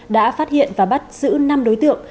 đã phát hiện và bắt giữ năm đối tượng